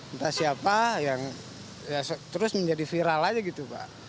entah siapa yang terus menjadi viral aja gitu pak